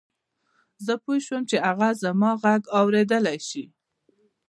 زه پوه شوم چې هغه زما غږ اورېدلای شي.